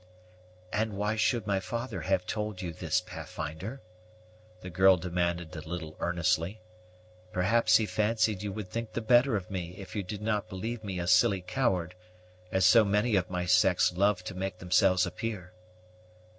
"And why should my father have told you this, Pathfinder?" the girl demanded a little earnestly. "Perhaps he fancied you would think the better of me if you did not believe me a silly coward, as so many of my sex love to make themselves appear."